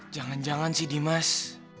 jangan jangan si dimas